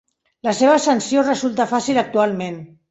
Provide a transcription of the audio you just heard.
La seva ascensió resulta fàcil actualment.